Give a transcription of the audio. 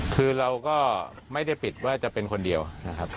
คือเราก็ไม่ได้ปิดว่าจะเป็นคนเดียวนะครับ